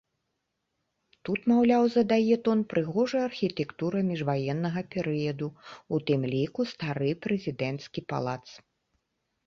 Тут, маўляў, задае тон прыгожая архітэктура міжваеннага перыяду, у тым ліку стары прэзідэнцкі палац.